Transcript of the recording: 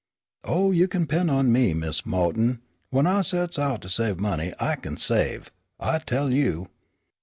"Oh, you kin 'pend on me, Mis' Mo'ton; fu' when I sets out to save money I kin save, I tell you."